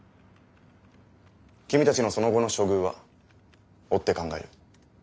君たちのその後の処遇は追って考える。